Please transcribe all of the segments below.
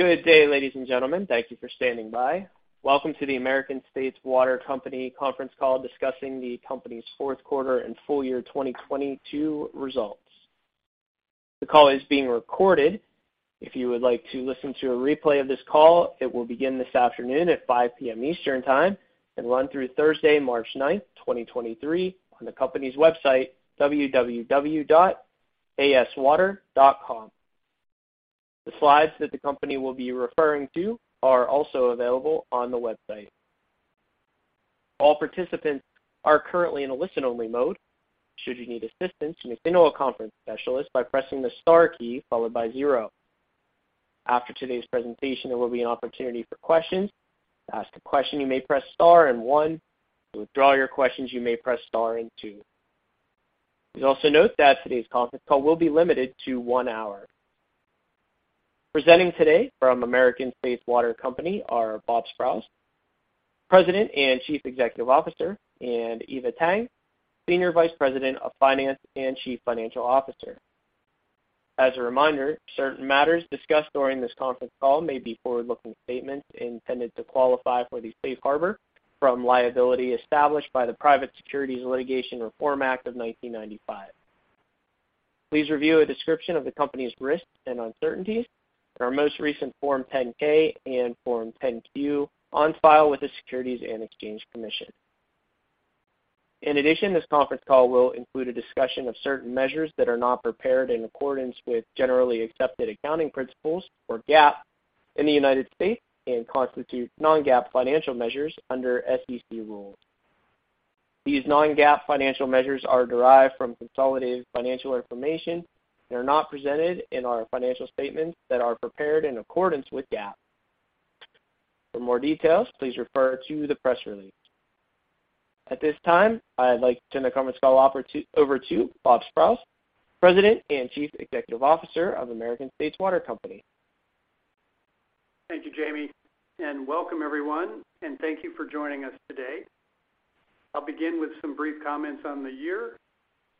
Good day, ladies and gentlemen. Thank you for standing by. Welcome to the American States Water Company conference call discussing the company's fourth quarter and full year 2022 results. The call is being recorded. If you would like to listen to a replay of this call, it will begin this afternoon at 5:00 P.M. Eastern Time and run through Thursday, March 9, 2023 on the company's website, www.aswater.com. The slides that the company will be referring to are also available on the website. All participants are currently in a listen-only mode. Should you need assistance, you may signal a conference specialist by pressing the star key followed by zero. After today's presentation, there will be an opportunity for questions. To ask a question, you may press star and one. To withdraw your questions, you may press star and two. Please also note that today's conference call will be limited to one hour. Presenting today from American States Water Company are Bob Sprowls, President and Chief Executive Officer, and Eva Tang, Senior Vice President of Finance and Chief Financial Officer. As a reminder, certain matters discussed during this conference call may be forward-looking statements intended to qualify for the safe harbor from liability established by the Private Securities Litigation Reform Act of 1995. Please review a description of the company's risks and uncertainties in our most recent Form 10-K and Form 10-Q on file with the Securities and Exchange Commission. In addition, this conference call will include a discussion of certain measures that are not prepared in accordance with generally accepted accounting principles or GAAP in the United States and constitute non-GAAP financial measures under SEC rules. These non-GAAP financial measures are derived from consolidated financial information and are not presented in our financial statements that are prepared in accordance with GAAP. For more details, please refer to the press release. At this time, I'd like to turn the conference call over to Bob Sprowls, President and Chief Executive Officer of American States Water Company. Thank you, Jamie. Welcome everyone, and thank you for joining us today. I'll begin with some brief comments on the year.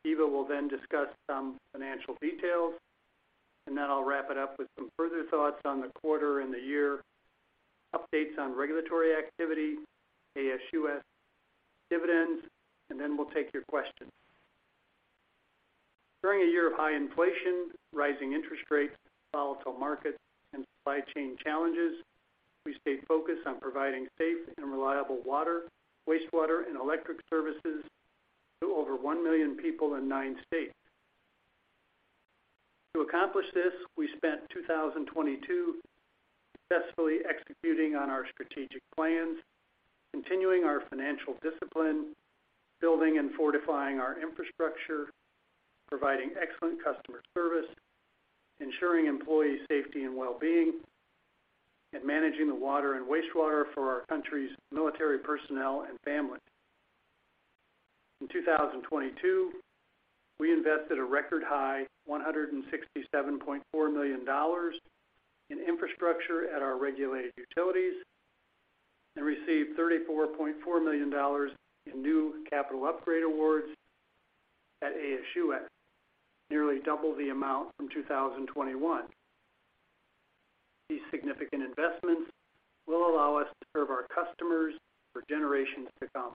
Eva will then discuss some financial details, and then I'll wrap it up with some further thoughts on the quarter and the year, updates on regulatory activity, ASUS dividends, and then we'll take your questions. During a year of high inflation, rising interest rates, volatile markets, and supply chain challenges, we stayed focused on providing safe and reliable water, wastewater, and electric services to over 1 million people in nine states. To accomplish this, we spent 2022 successfully executing on our strategic plans, continuing our financial discipline, building and fortifying our infrastructure, providing excellent customer service, ensuring employee safety and well-being, and managing the water and wastewater for our country's military personnel and families. In 2022, we invested a record high $167.4 million in infrastructure at our regulated utilities and received $34.4 million in new capital upgrade awards at ASUS, nearly double the amount from 2021. These significant investments will allow us to serve our customers for generations to come.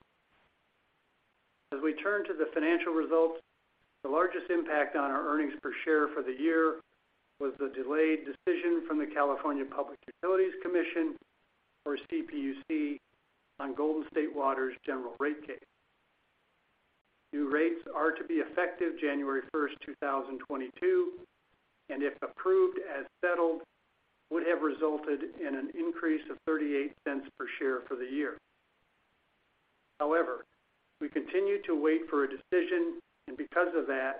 As we turn to the financial results, the largest impact on our earnings per share for the year was the delayed decision from the California Public Utilities Commission, or CPUC, on Golden State Water's general rate case. New rates are to be effective January 1, 2022. If approved as settled, would have resulted in an increase of $0.38 per share for the year. We continue to wait for a decision, and because of that,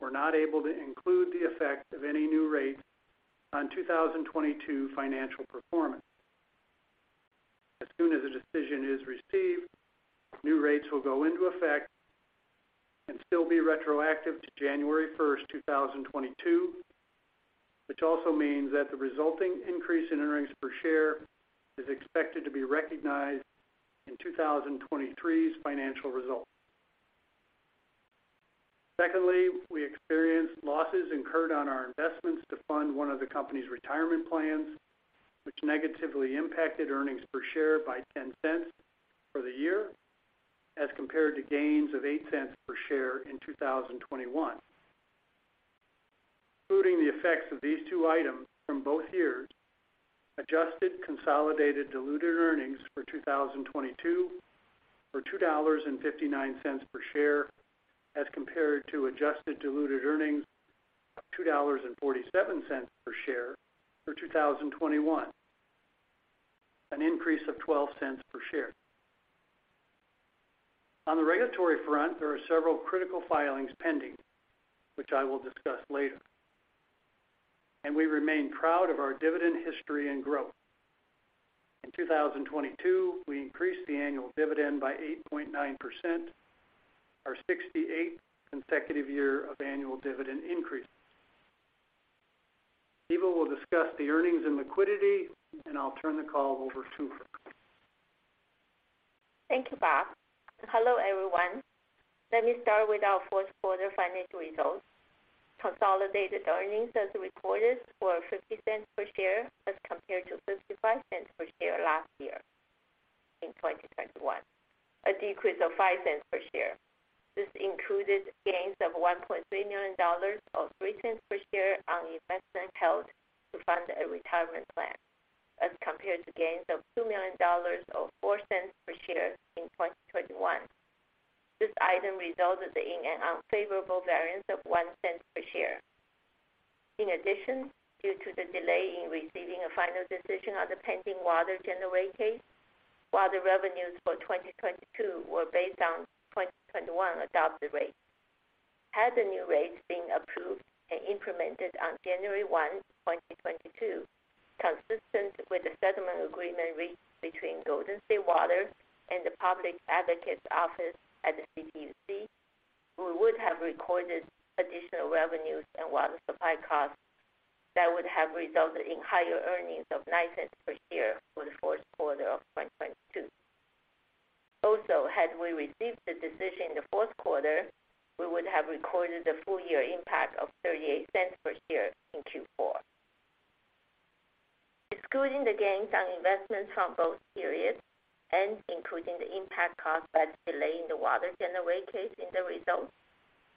we're not able to include the effect of any new rates on 2022 financial performance. As soon as a decision is received, new rates will go into effect and still be retroactive to January 1st, 2022, which also means that the resulting increase in earnings per share is expected to be recognized in 2023's financial results. We experienced losses incurred on our investments to fund one of the company's retirement plans, which negatively impacted earnings per share by $0.10 for the year as compared to gains of $0.08 per share in 2021. Including the effects of these two items from both years, Adjusted consolidated diluted earnings for 2022 were $2.59 per share as compared to Adjusted diluted earnings of $2.47 per share for 2021, an increase of $0.12 per share. On the regulatory front, there are several critical filings pending, which I will discuss later, and we remain proud of our dividend history and growth. In 2022, we increased the annual dividend by 8.9%, our 68th consecutive year of annual dividend increases. Eva will discuss the earnings and liquidity, and I'll turn the call over to her. Thank you, Bob. Hello, everyone. Let me start with our fourth quarter financial results. Consolidated earnings as reported were $0.50 per share as compared to $0.55 per share last year in 2021, a decrease of $0.05 per share. This included gains of $1.3 million, or $0.03 per share on investment held to fund a retirement plan, as compared to gains of $2 million, or $0.04 per share in 2021. This item resulted in an unfavorable variance of $0.01 per share. In addition, due to the delay in receiving a final decision on the pending water general rate case, water revenues for 2022 were based on 2021 adopted rates. Had the new rates been approved and implemented on January 1, 2022, consistent with the settlement agreement between Golden State Water and the Public Advocates Office at the CPUC, we would have recorded additional revenues and water supply costs that would have resulted in higher earnings of $0.09 per share for the fourth quarter of 2022. Had we received the decision in the fourth quarter, we would have recorded a full year impact of $0.38 per share in Q4. Excluding the gains on investments from both periods and including the impact caused by delay in the water general rate case in the results,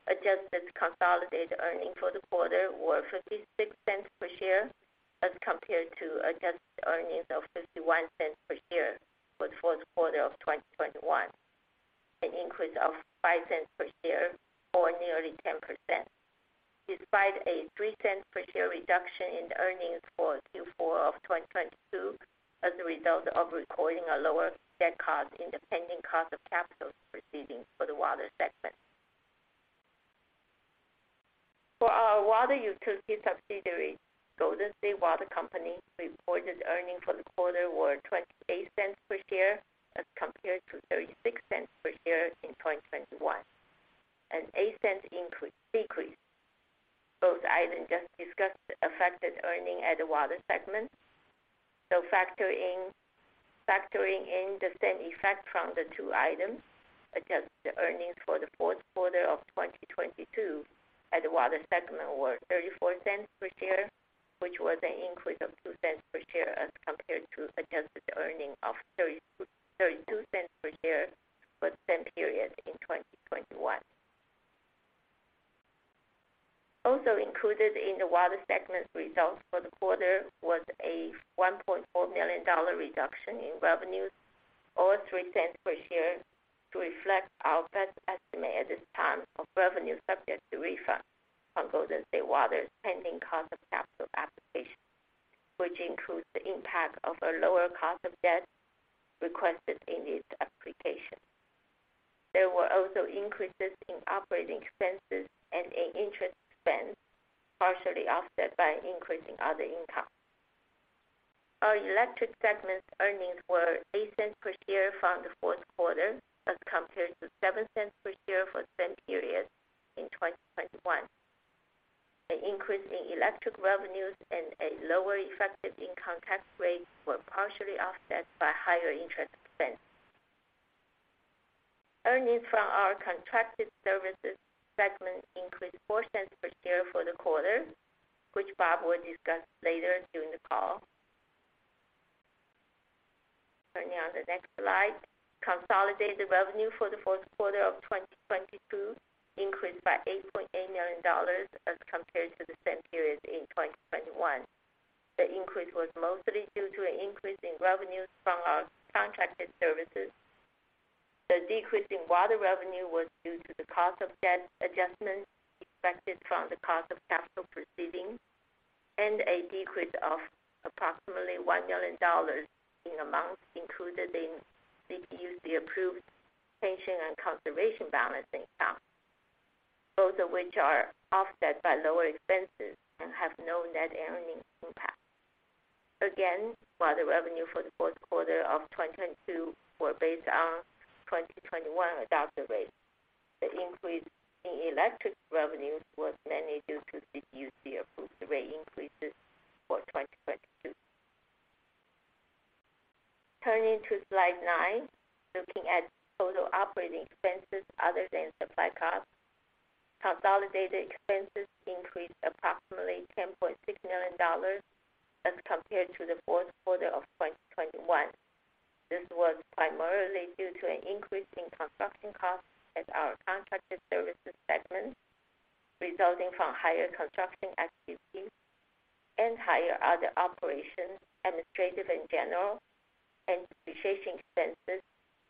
Adjusted consolidated earnings for the quarter were $0.56 per share as compared to Adjusted earnings of $0.51 per share for the fourth quarter of 2021, an increase of $0.05 per share or nearly 10%, despite a $0.03 per share reduction in earnings for Q4 of 2022 as a result of recording a lower debt cost in the pending cost of capital proceedings for the water segment. For our water utility subsidiary, Golden State Water Company, reported earnings for the quarter were $0.28 per share as compared to $0.36 per share in 2021, an $0.08 increase-- decrease. Both items just discussed affected earnings at the water segment. Factoring in the same effect from the two items, adjusted earnings for the fourth quarter of 2022 at the water segment were $0.34 per share, which was an increase of $0.02 per share as compared to Adjusted earnings of $0.32 per share for the same period in 2021. Included in the water segment results for the quarter was a $1.4 million reduction in revenues, or $0.03 per share to reflect our best estimate at this time of revenues subject to refund on Golden State Water's pending cost of capital application, which includes the impact of a lower cost of debt requested in this application. There were also increases in operating expenses and in interest expense, partially offset by an increase in other income. Our electric segment earnings were $0.08 per share for the fourth quarter, as compared to $0.07 per share for the same period in 2021. An increase in electric revenues and a lower effective income tax rate were partially offset by higher interest expense. Earnings from our contracted services segment increased $0.04 per share for the quarter, which Bob will discuss later during the call. Turning on the next slide. Consolidated revenue for the fourth quarter of 2022 increased by $8.8 million as compared to the same period in 2021. The increase was mostly due to an increase in revenues from our contracted services. The decrease in water revenue was due to the cost of debt adjustments expected from the cost of capital proceedings and a decrease of approximately $1 million in amounts included in CPUC-approved pension and conservation balancing accounts, both of which are offset by lower expenses and have no net earnings impact. Again, water revenue for the fourth quarter of 2022 were based on 2021 adopted rates. The increase in electric revenues was mainly due to CPUC-approved rate increases for 2022. Turning to slide nine, looking at total operating expenses other than supply costs. Consolidated expenses increased approximately $10.6 million as compared to the fourth quarter of 2021. This was primarily due to an increase in construction costs at our contracted services segment, resulting from higher construction activities and higher other operations, administrative and general, and depreciation expenses,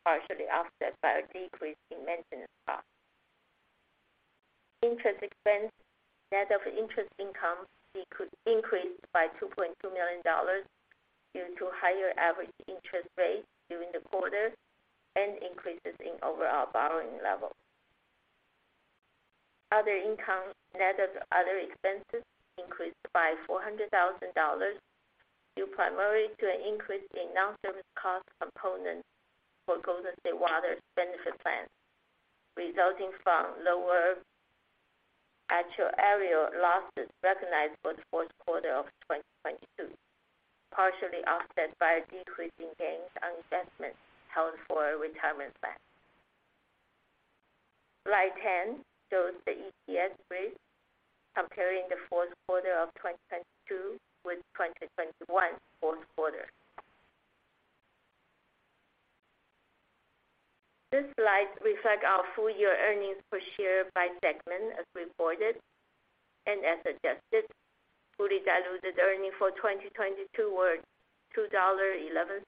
partially offset by a decrease in maintenance costs. Interest expense, net of interest income increased by $2.2 million due to higher average interest rates during the quarter and increases in overall borrowing levels. Other income, net of other expenses, increased by $400,000, due primarily to an increase in non-service cost component for Golden State Water's benefit plan, resulting from lower actual aerial losses recognized for the fourth quarter of 2022, partially offset by a decrease in gains on investments held for a retirement plan. Slide 10 shows the EPS rates comparing the fourth quarter of 2022 with 2021 fourth quarter. This slide reflect our full year earnings per share by segment as reported and as adjusted. Fully diluted earnings for 2022 were $2.11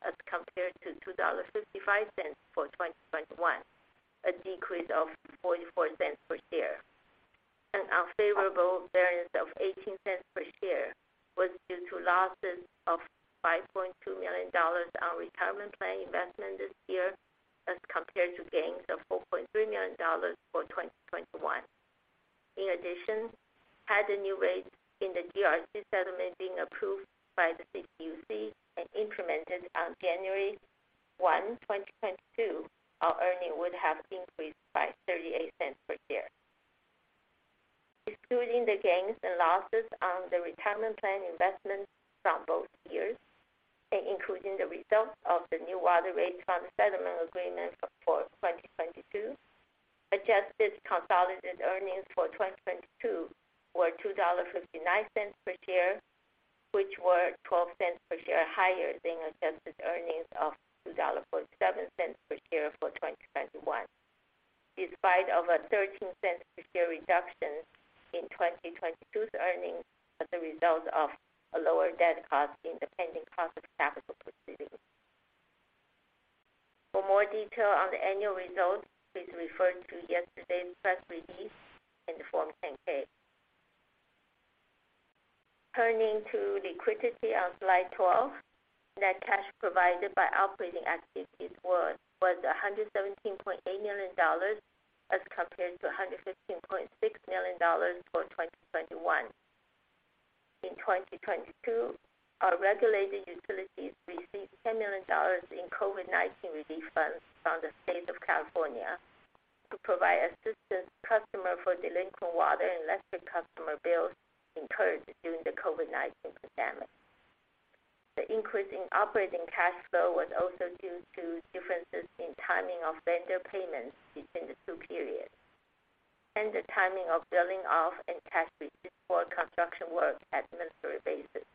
as compared to $2.55 for 2021, a decrease of $0.44 per share. An unfavorable variance of $0.18 per share was due to losses of $5.2 million on retirement plan investment this year, as compared to gains of $4.3 million for 2021. In addition, had the new rates in the GRC settlement been approved by the CPUC and implemented on January 1, 2022, our earnings would have increased by $0.38 per share. Excluding the gains and losses on the retirement plan investments from both years, and including the results of the new water rates from the settlement agreement for 2022, Adjusted consolidated earnings for 2022 were $2.59 per share, which were $0.12 per share higher than Adjusted earnings of $2.47 per share for 2021. Despite over $0.13 per share reduction in 2022's earnings as a result of a lower debt cost in the pending cost of capital proceeding. For more detail on the annual results, please refer to yesterday's press release and the Form 10-K. Turning to liquidity on slide 12. Net cash provided by operating activities was $117.8 million as compared to $115.6 million for 2021. In 2022, our regulated utilities received $10 million in COVID-19 relief funds from the State of California to provide assistance to customer for delinquent water and electric customer bills incurred during the COVID-19 pandemic. The increase in operating cash flow was also due to differences in timing of vendor payments between the two periods, and the timing of billing off and cash received for construction work at ASUS.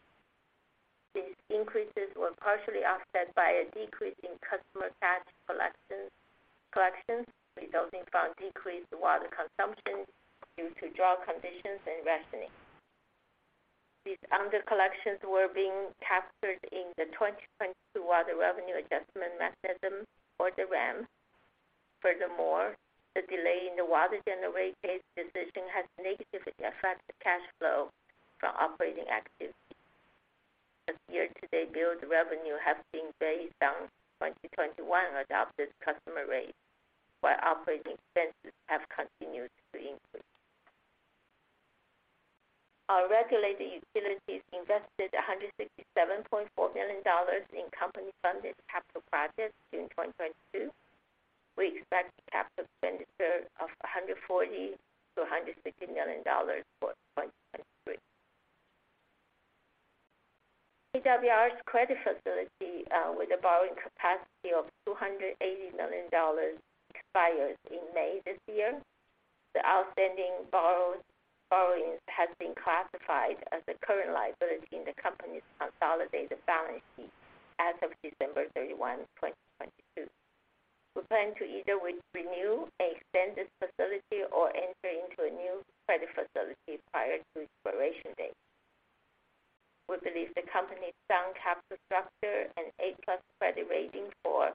These increases were partially offset by a decrease in customer cash collections resulting from decreased water consumption due to drought conditions and rationing. These under collections were being captured in the 2022 Water Revenue Adjustment Mechanism or the RAM. The delay in the water generation decision has negatively affected cash flow from operating activities. Year-to-date billed revenue have been based on 2021 adopted customer rates, while operating expenses have continued to increase. Our regulated utilities invested $167.4 million in company-funded capital projects during 2022. We expect capital expenditure of $140 million-$160 million for 2023. AWR's credit facility, with a borrowing capacity of $280 million expires in May this year. The outstanding borrowings has been classified as a current liability in the company's consolidated balance sheet as of December 31, 2022. We plan to either re-renew and extend this facility or enter into a new credit facility prior to expiration date. We believe the company's sound capital structure and A+ credit rating for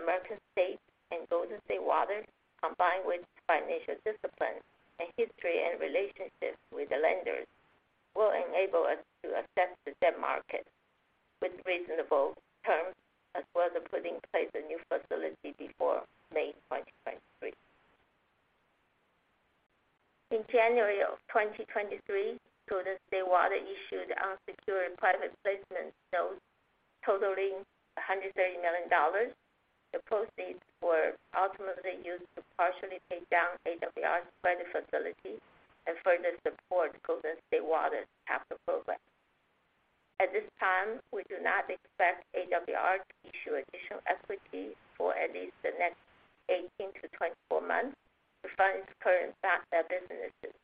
American States and Golden State Water, combined with financial discipline and history and relationships with the lenders, will enable us to access the debt market with reasonable terms as well as put in place a new facility before May 2023. In January of 2023, Golden State Water issued unsecured private placement notes totaling $130 million. The proceeds were ultimately used to partially pay down AWR's credit facility and further support Golden State Water's capital program. At this time, we do not expect AWR to issue additional equity for at least the next 18-24 months to fund its current businesses.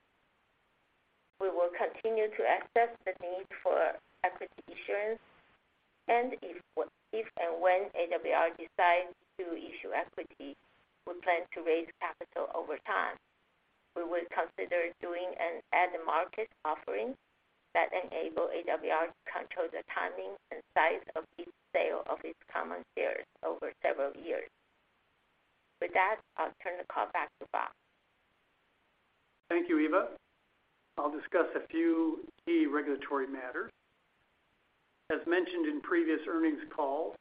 We will continue to assess the need for equity issuance, and if and when AWR decides to issue equity, we plan to raise capital over time. We will consider doing an at-the-market offering that enable AWR to control the timing and size of each sale of its common shares over several years. With that, I'll turn the call back to Bob. Thank you, Eva. I'll discuss a few key regulatory matters. As mentioned in previous earnings calls,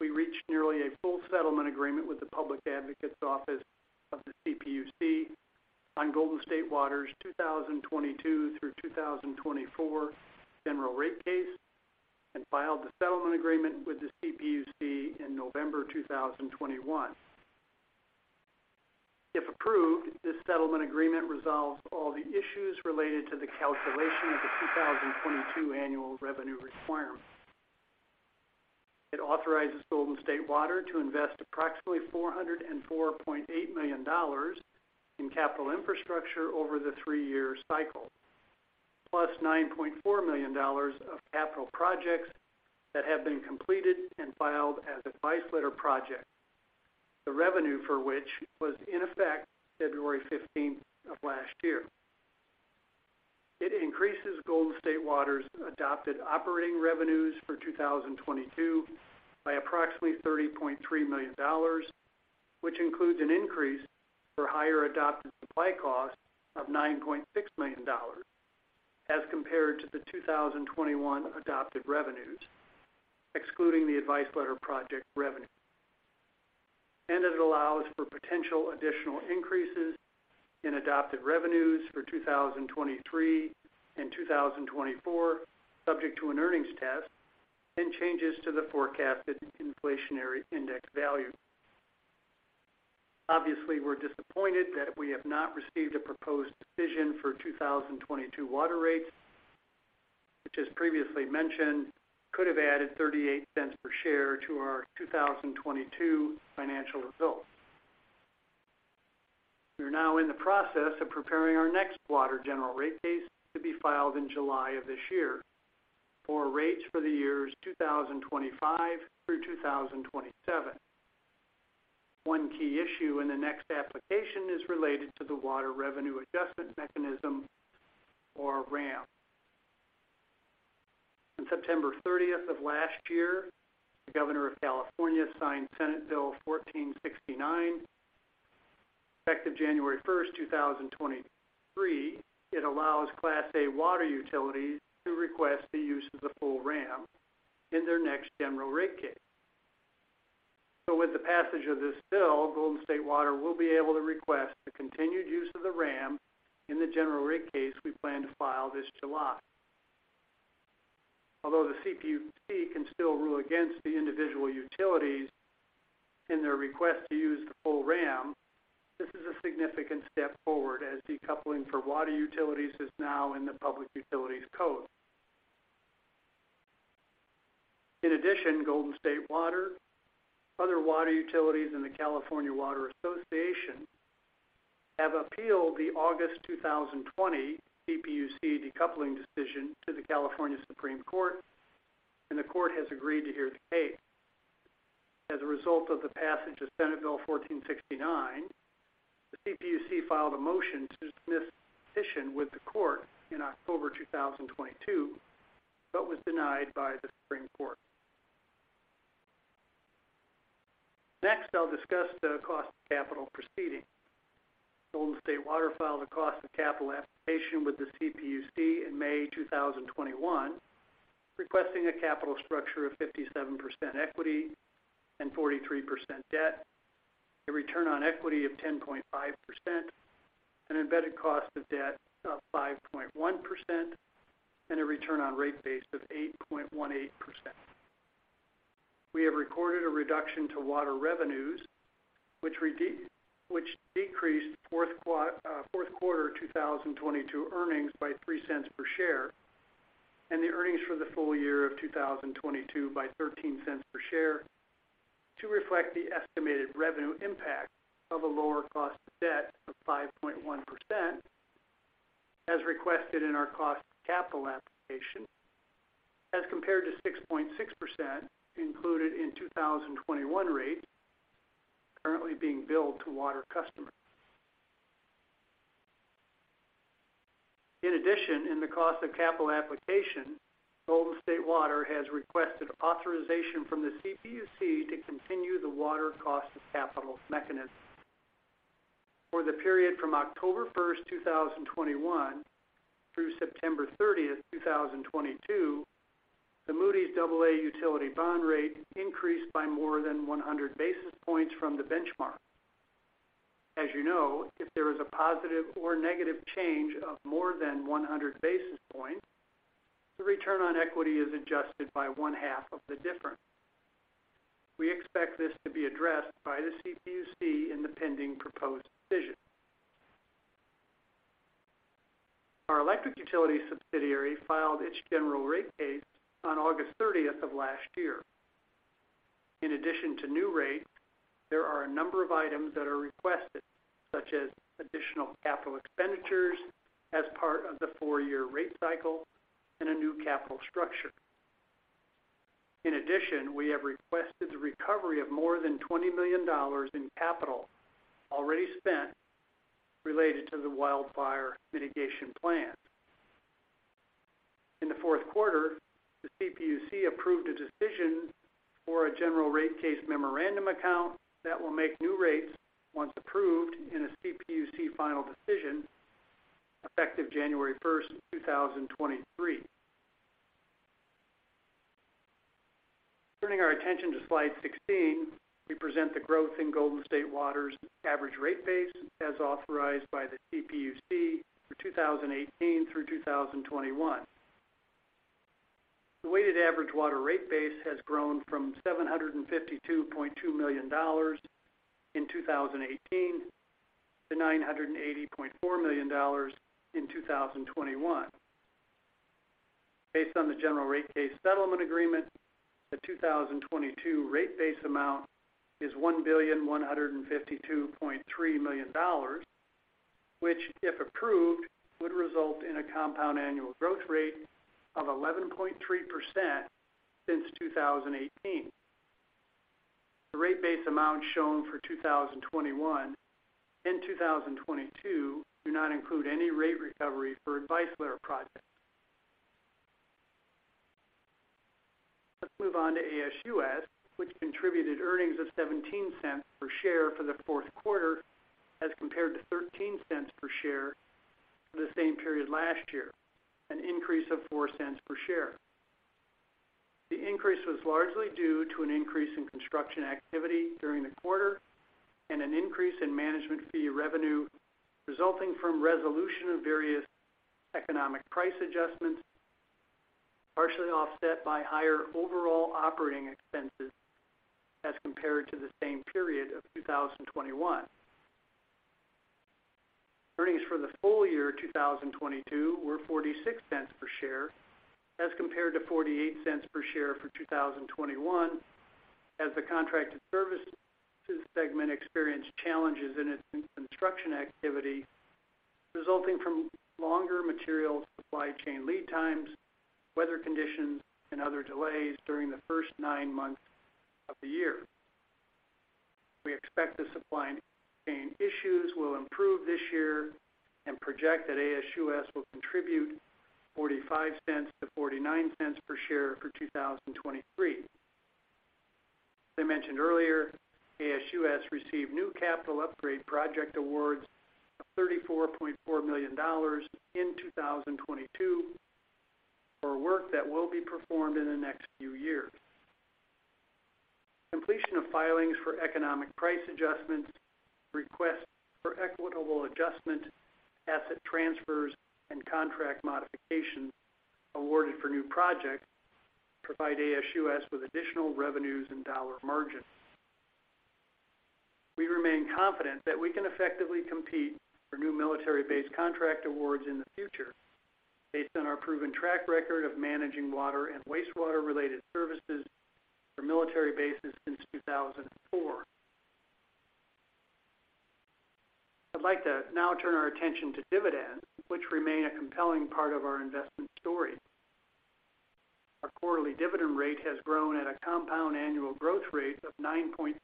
we reached nearly a full settlement agreement with the Public Advocates Office of the CPUC on Golden State Water's 2022 through 2024 general rate case. Filed the settlement agreement with the CPUC in November 2021. If approved, this settlement agreement resolves all the issues related to the calculation of the 2022 annual revenue requirement. It authorizes Golden State Water to invest approximately $404.8 million in capital infrastructure over the three-year cycle, plus $9.4 million of capital projects that have been completed and filed as advice letter project, the revenue for which was in effect February 15th of last year. It increases Golden State Water's adopted operating revenues for 2022 by approximately $30.3 million, which includes an increase for higher adopted supply costs of $9.6 million as compared to the 2021 adopted revenues, excluding the advice letter project revenue. It allows for potential additional increases in adopted revenues for 2023 and 2024, subject to an earnings test and changes to the forecasted inflationary index value. Obviously, we're disappointed that we have not received a proposed decision for 2022 water rates, which as previously mentioned, could have added $0.38 per share to our 2022 financial results. We're now in the process of preparing our next water general rate case to be filed in July of this year for rates for the years 2025-2027. One key issue in the next application is related to the water Revenue Adjustment Mechanism, or RAM. On September 30th of last year, the Governor of California signed Senate Bill 1469. Effective January 1st, 2023, it allows Class A water utilities to request the use of the full RAM in their next general rate case. With the passage of this bill, Golden State Water will be able to request the continued use of the RAM in the general rate case we plan to file this July. Although the CPUC can still rule against the individual utilities in their request to use the full RAM, this is a significant step forward as decoupling for water utilities is now in the Public Utilities Code. In addition, Golden State Water, other water utilities in the California Water Association have appealed the August 2020 CPUC decoupling decision to the California Supreme Court, and the court has agreed to hear the case. As a result of the passage of Senate Bill 1469, the CPUC filed a motion to dismiss the petition with the court in October 2022, but was denied by the Supreme Court. Next, I'll discuss the cost of capital proceeding. Golden State Water filed a cost of capital application with the CPUC in May 2021, requesting a capital structure of 57% equity and 43% debt, a return on equity of 10.5%, an embedded cost of debt of 5.1%, and a return on rate base of 8.18%. We have recorded a reduction to water revenues, which decreased fourth quarter 2022 earnings by $0.03 per share, and the earnings for the full year of 2022 by $0.13 per share to reflect the estimated revenue impact of a lower cost of debt of 5.1%, as requested in our cost of capital application, as compared to 6.6% included in 2021 rate currently being billed to water customers. In the cost of capital application, Golden State Water has requested authorization from the CPUC to continue the Water Cost of Capital Mechanism. For the period from October 1st, 2021 through September 30th, 2022, the Moody's Aa utility bond rate increased by more than 100 basis points from the benchmark. As you know, if there is a positive or negative change of more than 100 basis points, the return on equity is adjusted by one half of the difference. We expect this to be addressed by the CPUC in the pending proposed decision. Our electric utility subsidiary filed its general rate case on August 30th of last year. In addition to new rates, there are a number of items that are requested, such as additional capital expenditures as part of the four-year rate cycle and a new capital structure. In addition, we have requested the recovery of more than $20 million in capital already spent related to the Wildfire Mitigation Plan. In the fourth quarter, the CPUC approved a decision for a general rate case memorandum account that will make new rates once approved in a CPUC final decision effective January first, 2023. Turning our attention to slide 16, we present the growth in Golden State Water's average rate base as authorized by the CPUC for 2018 through 2021. The weighted average water rate base has grown from $752.2 million in 2018 to $980.4 million in 2021. Based on the general rate case settlement agreement, the 2022 rate base amount is $1,152.3 million, which, if approved, would result in a compound annual growth rate of 11.3% since 2018. The rate base amount shown for 2021 and 2022 do not include any rate recovery for advice letter projects. Let's move on to ASUS, which contributed earnings of $0.17 per share for the fourth quarter as compared to $0.13 per share for the same period last year, an increase of $0.04 per share. The increase was largely due to an increase in construction activity during the quarter and an increase in management fee revenue resulting from resolution of various economic price adjustments, partially offset by higher overall operating expenses as compared to the same period of 2021. Earnings for the full year 2022 were $0.46 per share as compared to $0.48 per share for 2021 as the contracted services segment experienced challenges in its construction activity, resulting from longer material supply chain lead times, weather conditions and other delays during the first nine months of the year. We expect the supply chain issues will improve this year and project that ASUS will contribute $0.45-$0.49 per share for 2023. As I mentioned earlier, ASUS received new capital upgrade project awards of $34.4 million in 2022 for work that will be performed in the next few years. Completion of filings for economic price adjustments, requests for equitable adjustment, asset transfers and contract modifications awarded for new projects provide ASUS with additional revenues and dollar margin. We remain confident that we can effectively compete for new military-based contract awards in the future based on our proven track record of managing water and wastewater related services for military bases since 2004. I'd like to now turn our attention to dividends, which remain a compelling part of our investment story. Our quarterly dividend rate has grown at a compound annual growth rate of 9.3%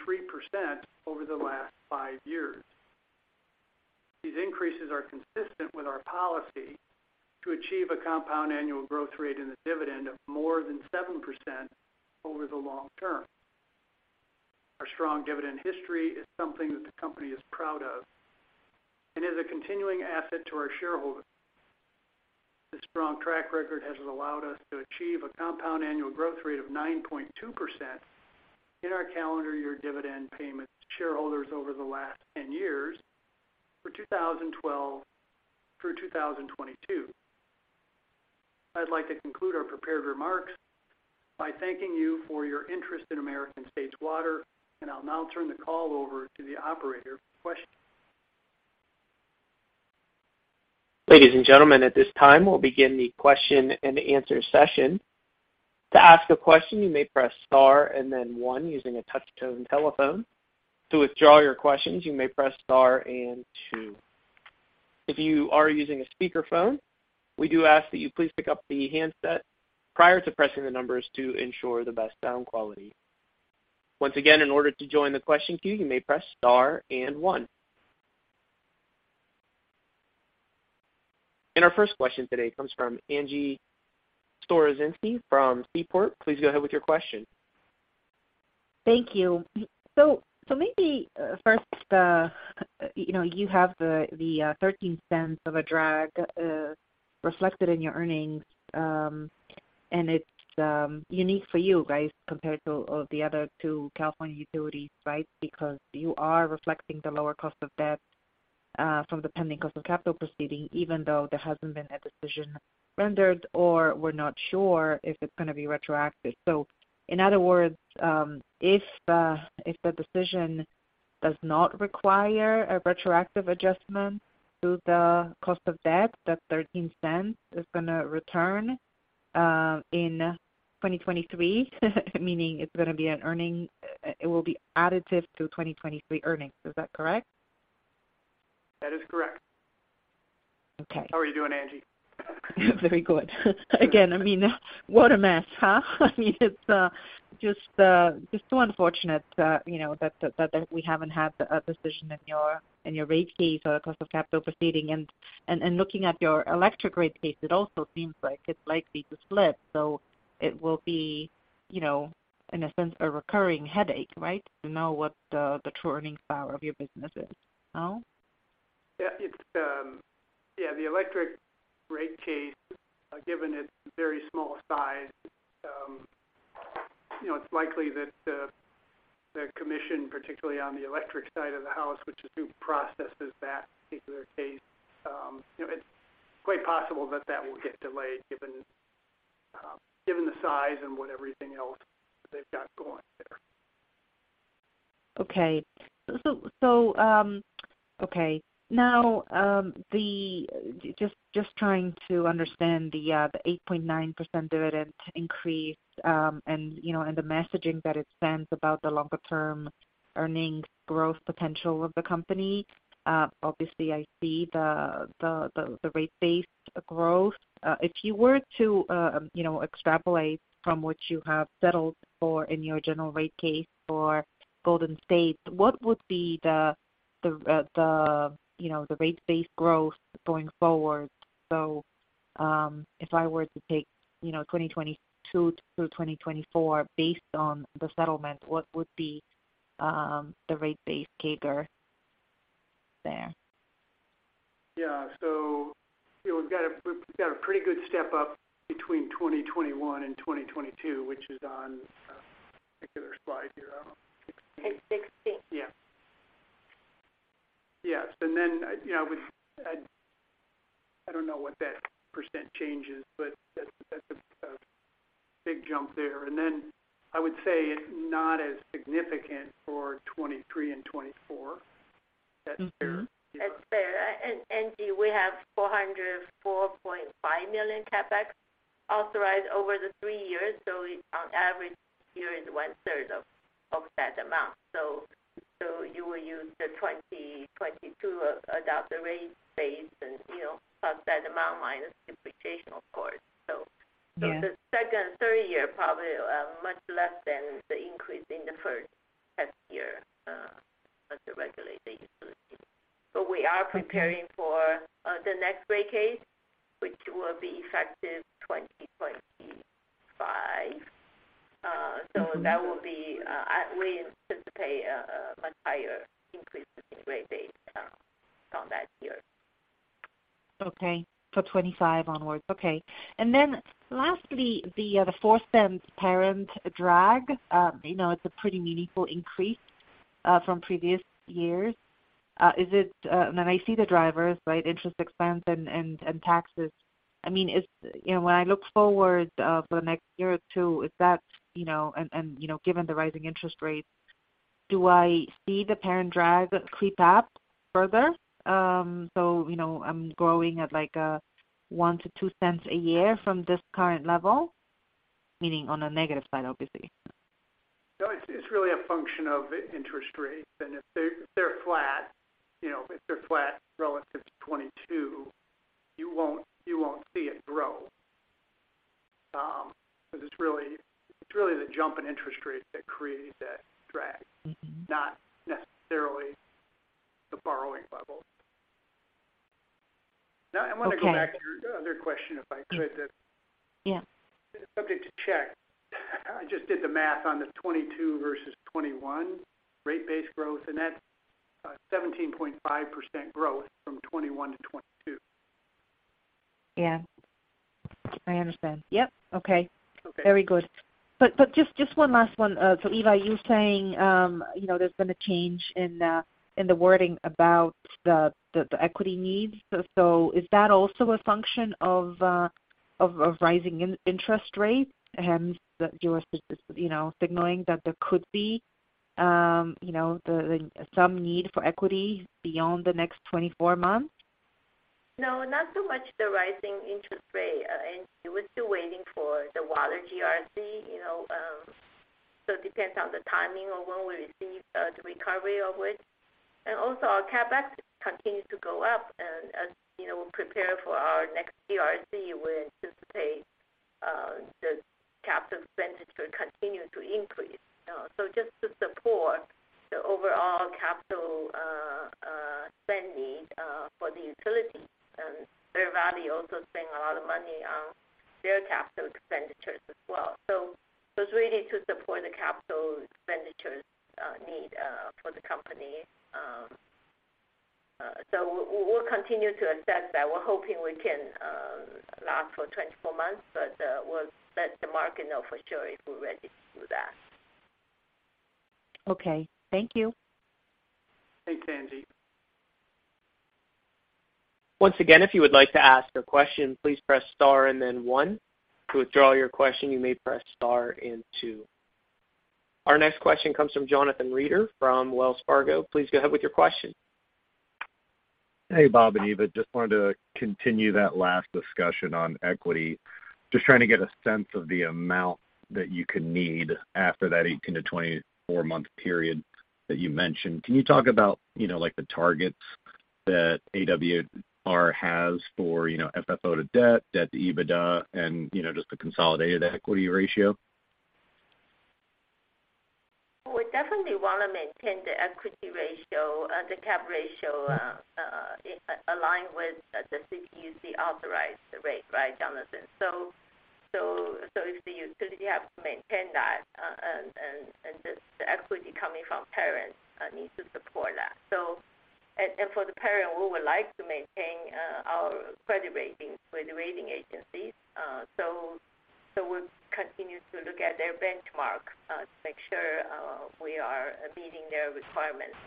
over the last five years. These increases are consistent with our policy to achieve a compound annual growth rate in the dividend of more than 7% over the long term. Our strong dividend history is something that the company is proud of and is a continuing asset to our shareholders. This strong track record has allowed us to achieve a compound annual growth rate of 9.2% in our calendar year dividend payments to shareholders over the last 10 years for 2012 through 2022. I'd like to conclude our prepared remarks by thanking you for your interest in American States Water, I'll now turn the call over to the operator for questions. Ladies and gentlemen, at this time, we'll begin the question-and-answer session. To ask a question, you may press star and then one using a touch-tone telephone. To withdraw your questions, you may press star and two. If you are using a speakerphone, we do ask that you please pick up the handset prior to pressing the numbers to ensure the best sound quality. Once again, in order to join the question queue, you may press star and one. Our first question today comes from Angie Storozynski from Seaport. Please go ahead with your question. Thank you. So maybe first, you know, you have the $0.13 of a drag reflected in your earnings, and it's unique for you guys compared to the other two California utilities, right? Because you are reflecting the lower cost of debt from the pending cost of capital proceeding, even though there hasn't been a decision rendered or we're not sure if it's gonna be retroactive. In other words, if the decision does not require a retroactive adjustment to the cost of debt, that $0.13 is gonna return in 2023, meaning it's gonna be additive to 2023 earnings. Is that correct? That is correct. Okay. How are you doing, Angie? Very good. Again, I mean, what a mess, huh? I mean, it's just so unfortunate, you know, that we haven't had a decision in your rate case or cost of capital proceeding. Looking at your electric rate case, it also seems like it's likely to slip. It will be, you know, in a sense, a recurring headache, right? To know what the true earnings power of your business is. No? Yeah, it's, yeah, the electric rate case, given its very small size, it's likely that the commission, particularly on the electric side of the house, which is who processes that particular case, it's quite possible that that will get delayed given the size and what everything else they've got going there. Okay. Just trying to understand the 8.9% dividend increase, and, you know, and the messaging that it sends about the longer-term earnings growth potential of the company, obviously, I see the rate base growth. If you were to, you know, extrapolate from what you have settled for in your general rate case for Golden State, what would be the, you know, the rate base growth going forward? If I were to take, you know, 2022 through 2024 based on the settlement, what would be the rate base CAGR there? Yeah. you know, we've got a pretty good step up between 2021 and 2022, which is on a particular slide here. I don't know. 16. Page 16. Yeah. Yes. You know, I don't know what that percent change is, but that's a big jump there. I would say it's not as significant for 23 and 24. That's fair. Mm-hmm. That's fair. We have $404.5 million CapEx authorized over the three years. On average, year is one third of that amount. You will use the 2022 adopted rate base and, you know, plus that amount minus depreciation, of course. Yeah. The second, third year probably, much less than the increase in the first test year, as a regulated utility. We are preparing for the next rate case, which will be effective 2025. That will be, we anticipate a much higher increase in rate base on that year. Okay. 2025 onwards. Okay. Lastly, the $0.04 parent drag, you know, it's a pretty meaningful increase from previous years. Is it, and I see the drivers, right, interest expense and taxes. I mean, it's, you know, when I look forward for the next year or two, is that, you know, and, you know, given the rising interest rates, do I see the parent drag creep up further? You know, I'm growing at like $0.01-$0.02 a year from this current level, meaning on a negative side, obviously. No, it's really a function of interest rates. If they're flat, you know, if they're flat relative to 22, you won't see it grow. Because it's really the jump in interest rates that create that drag. Mm-hmm. not necessarily the borrowing level. I want to go back to your other question, if I could. Yeah. It's something to check. I just did the math on the 22 versus 21 rate base growth, that's 17.5% growth from 21-22. Yeah. I understand. Yep. Okay. Okay. Very good. Just one last one. Eva, you're saying, you know, there's been a change in the wording about the equity needs. Is that also a function of rising interest rates, hence you're, you know, signaling that there could be, you know, some need for equity beyond the next 24 months? No, not so much the rising interest rate. We're still waiting for the water GRC, you know. It depends on the timing of when we receive the recovery of which. Also our CapEx continues to go up. As, you know, we prepare for our next GRC, we anticipate the capital expenditure continue to increase. Just to support the overall capital spend need for the utility. Bear Valley also spend a lot of money on their capital expenditures as well. It was really to support the capital expenditures need for the company. We'll continue to assess that. We're hoping we can last for 24 months, we'll let the market know for sure if we're ready to do that. Okay. Thank you. Thanks, Angie. Once again, if you would like to ask a question, please press star and then one. To withdraw your question, you may press star and two. Our next question comes from Jonathan Reeder from Wells Fargo. Please go ahead with your question. Hey, Bob and Eva. Just wanted to continue that last discussion on equity. Just trying to get a sense of the amount that you could need after that 18-24-month period that you mentioned. Can you talk about, you know, like, the targets that AWR has for, you know, FFO to debt to EBITDA and, you know, just the consolidated equity ratio? We definitely want to maintain the equity ratio, the CapEx ratio, aligned with the CPUC authorized rate, right, Jonathan? So if the utility have to maintain that, and this, the equity coming from parent, needs to support that. So, and for the parent, we would like to maintain our credit ratings with the rating agencies. So we'll continue to look at their benchmark to make sure we are meeting their requirements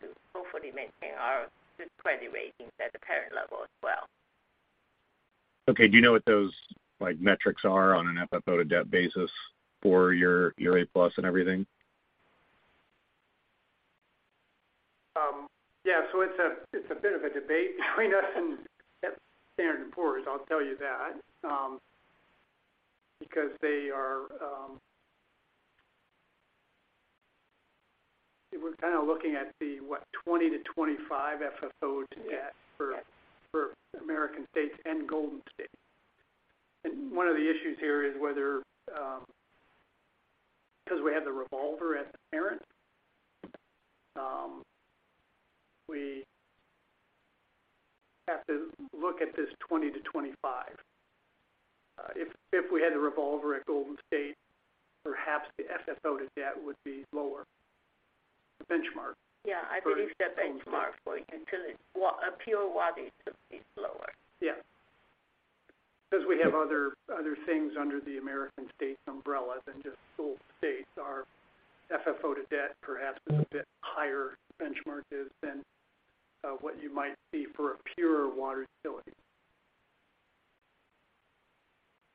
to hopefully maintain our good credit ratings at the parent level as well. Okay. Do you know what those, like, metrics are on an FFO to debt basis for your A+ and everything? Yeah, it's a bit of a debate between us and Standard and Poor's, I'll tell you that. Because they are... We're kinda looking at the 20-25 FFO to debt... Yes. for American States and Golden State. One of the issues here is whether, 'cause we have the revolver at the parent, we have to look at this 20-25. If we had the revolver at Golden State, perhaps the FFO to debt would be lower, the benchmark for. Yeah, I believe the benchmark for you until it a pure water it would be lower. Yeah. 'Cause we have other things under the American States umbrella than just Golden State. Our FFO to debt perhaps is a bit higher benchmark than what you might see for a pure water utility.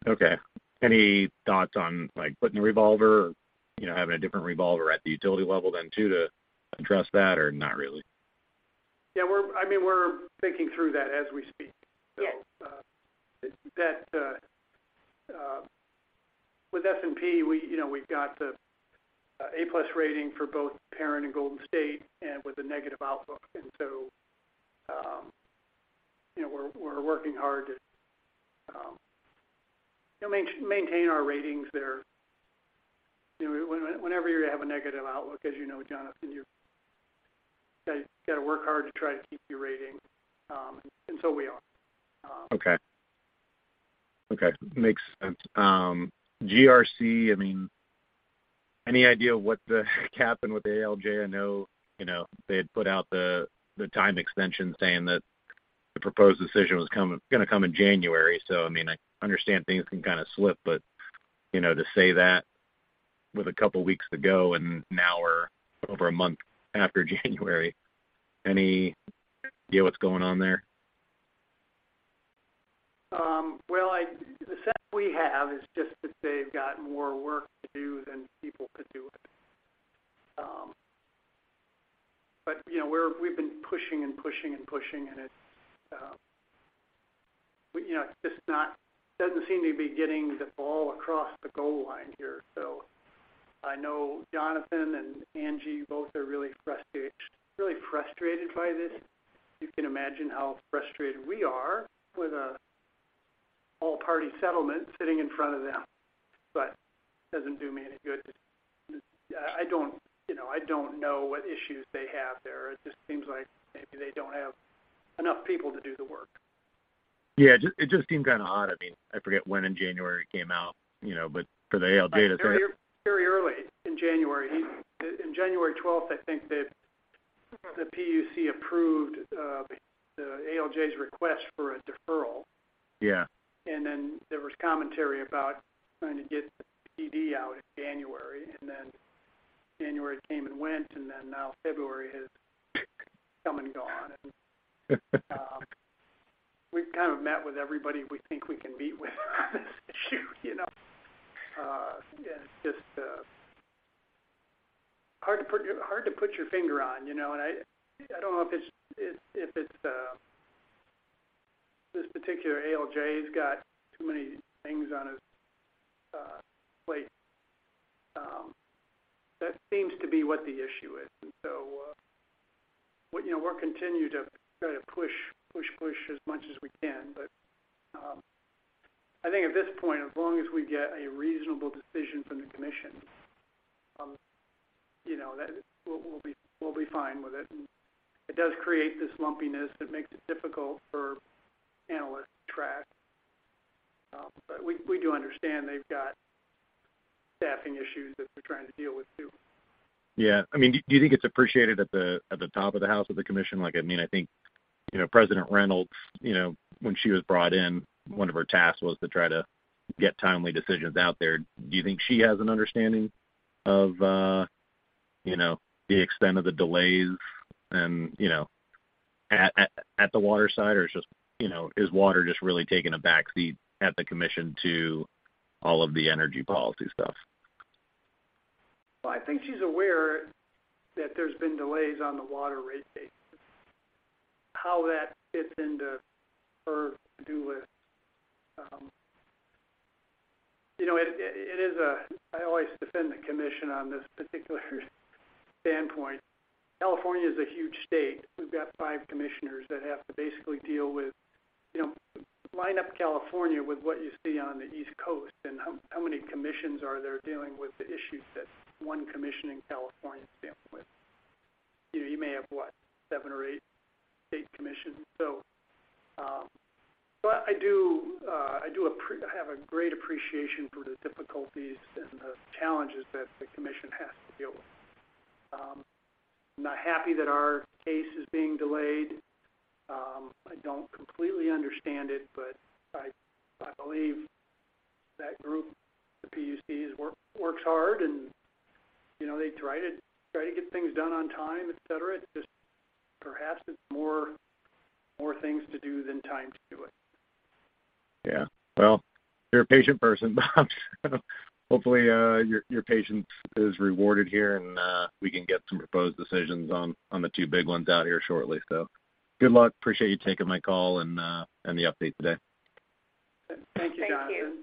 Okay. Any thoughts on, like, putting a revolver, you know, having a different revolver at the utility level then too to address that or not really? I mean, we're thinking through that as we speak. Yes. With S&P we, you know, we've got the A+ rating for both parent and Golden State and with a negative outlook. You know, we're working hard to, you know, maintain our ratings there. You know, whenever you have a negative outlook, as you know, Jonathan, you're gotta work hard to try to keep your rating. We are. Okay. Okay. Makes sense. GRC, I mean, any idea what the happened with ALJ? I know, you know, they had put out the time extension saying that the proposed decision was gonna come in January. I mean, I understand things can kinda slip, but, you know, to say that with a couple weeks to go and now we're over a month after January, any idea what's going on there? Well, the sense we have is just that they've got more work to do than people to do it. You know, we're, we've been pushing and pushing and pushing and it, we, you know, it's just not, doesn't seem to be getting the ball across the goal line here. I know Jonathan and Angie both are really frustrated by this. You can imagine how frustrated we are with a all party settlement sitting in front of them, but doesn't do me any good to... I don't, you know, I don't know what issues they have there. It just seems like maybe they don't have enough people to do the work. Yeah, it just seemed kind of odd. I mean, I forget when in January it came out, you know, but for the ALJ. Like, very, very early in January. In January 12th, I think that the PUC approved the ALJ's request for a deferral. Yeah. Then there was commentary about trying to get the PD out in January. Then January came and went, then now February has come and gone. We've kind of met with everybody we think we can meet with on this issue, you know? It's just hard to put your finger on, you know? I don't know if it's if it's this particular ALJ's got too many things on his plate. That seems to be what the issue is. We, you know, we'll continue to try to push, push as much as we can. I think at this point, as long as we get a reasonable decision from the commission, you know, that we'll be fine with it. It does create this lumpiness that makes it difficult for analysts to track. We, we do understand they've got staffing issues that they're trying to deal with too. I mean, do you think it's appreciated at the top of the house of the commission? Like, I mean, I think, you know, President Reynolds, you know, when she was brought in, one of her tasks was to try to get timely decisions out there. Do you think she has an understanding of, you know, the extent of the delays and, you know, at the water side or is just, you know, is water just really taking a back seat at the commission to all of the energy policy stuff? I think she's aware that there's been delays on the water rate case. How that fits into her to-do list, you know, it is a I always defend the commission on this particular standpoint. California is a huge state. We've got five commissioners that have to basically deal with, you know, line up California with what you see on the East Coast, and how many commissions are there dealing with the issues that one commission in California is dealing with? You know, you may have, what, seven or eight state commissions. I do I have a great appreciation for the difficulties and the challenges that the commission has to deal with. I'm not happy that our case is being delayed. I don't completely understand it, but I believe that group, the PUC, works hard and, you know, they try to get things done on time, et cetera. It's just perhaps it's more things to do than time to do it. Well, you're a patient person, Bob, so hopefully, your patience is rewarded here, and we can get some proposed decisions on the two big ones out here shortly. Good luck. Appreciate you taking my call and the update today. Thank you, Jonathan. Thank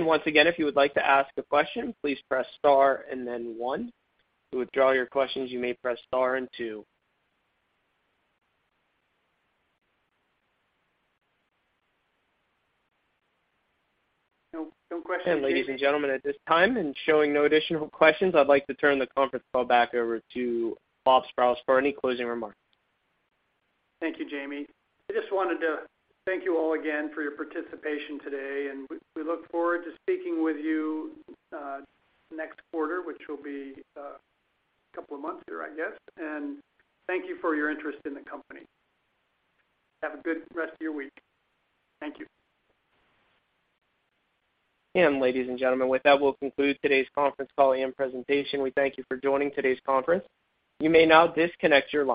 you. Once again, if you would like to ask a question, please press star and then one. To withdraw your questions, you may press star and two. No, no questions, Jamie. Ladies and gentlemen, at this time and showing no additional questions, I'd like to turn the conference call back over to Bob Sprowls for any closing remarks. Thank you, Jamie. I just wanted to thank you all again for your participation today. We look forward to speaking with you, next quarter, which will be, couple of months here, I guess. Thank you for your interest in the company. Have a good rest of your week. Thank you. Ladies and gentlemen, with that, we'll conclude today's conference call and presentation. We thank you for joining today's conference. You may now disconnect your line.